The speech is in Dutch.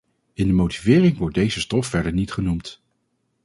In de motivering wordt deze stof verder niet genoemd.